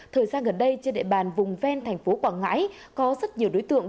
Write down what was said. thời gian gần đây trên địa bàn vùng ven thành phố quảng ngãi có rất nhiều đối tượng